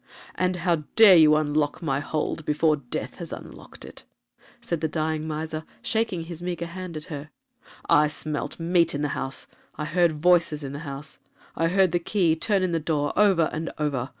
'And how dare you unlock my hold before death has unlocked it,' said the dying miser, shaking his meagre hand at her. 'I smelt meat in the house,—I heard voices in the house,—I heard the key turn in the door over and over.